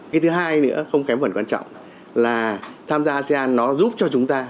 cái thứ hai nữa không kém phần quan trọng là tham gia asean nó giúp cho chúng ta